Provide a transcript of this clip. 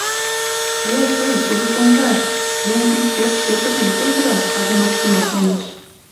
— Э-э, тый кужу пондаш, еҥ ӱп верч пешыже ит ойгыро, — саде Максимак манеш.